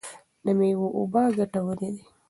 د مېوو اوبه ګټورې دي.